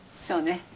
そうね。